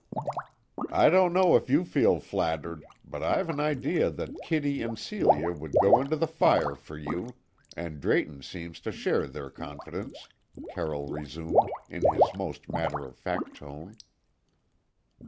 "I don't know if you feel flattered, but I've an idea that Kitty and Celia would go into the fire for you, and Drayton seems to share their confidence," Carroll resumed, in his most matter of fact tone.